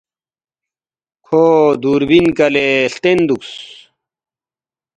کھو دُوربین کلے ہلتین دُوکس